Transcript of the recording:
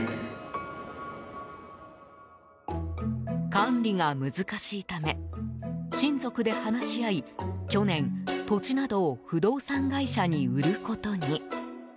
管理が難しいため親族で話し合い去年、土地などを不動産会社に売ることに。